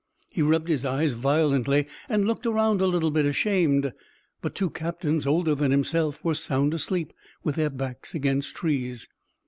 He rubbed his eyes violently and looked around a little bit ashamed. But two captains older than himself were sound asleep with their backs against trees.